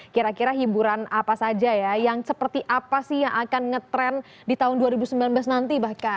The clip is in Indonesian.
kira kira hiburan apa saja ya yang seperti apa sih yang akan ngetrend di tahun dua ribu sembilan belas nanti bahkan